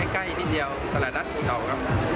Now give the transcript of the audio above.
ใกล้นิดเดียวตลาดนัดภูเขาครับ